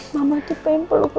mama itu pengen peluk rena